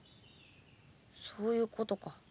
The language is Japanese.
そういうことか。